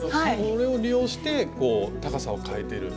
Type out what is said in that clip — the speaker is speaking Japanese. これを利用して高さを変えてる。